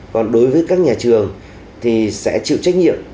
còn đối với các nhà trường thì sẽ chịu trách nhiệm